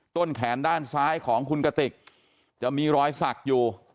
ต้นแขนด้านซ้ายของคุณกติกจะมีรอยสักอยู่